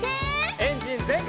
エンジンぜんかい！